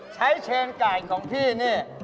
ใช้แชนกายของพี่นี่